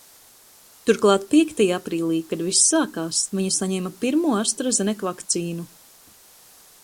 Turklāt piektajā aprīlī, kad viss sākās, viņa saņēma pirmo Astra Zenek vakcīnu.